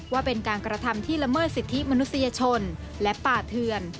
ว่าเป็นการกระทำที่ละเมิดสิทธิมนุษยชนและป่าเทือน